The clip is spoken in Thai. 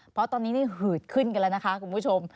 เพราะตอนนี้นี่หืดขึ้นกันแล้วนะคะคุณผู้ชม